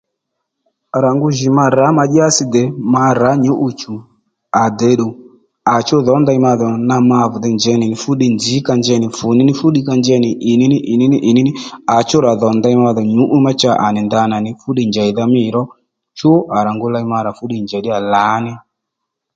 À rà ngu jì ma rǎ ma dyási dè ma rǎ nyǔ'wiy chùw à dè ddù à chú dhǒ ndèy madhò na ma vi dey njěy nì fúddiy nzǐ ka njey nì fù ní ní fúddiy kanjeynì ì ní ní ní à chú rà dho ndèy madhò nyǔ'wiy ma cha à nì ndanà nì fúddiy njèydha mî ró chú à rà ngu ley marà fú ddiy njey ddiyà lǎní